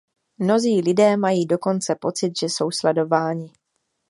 Mnozí lidé mají dokonce pocit, že jsou sledováni.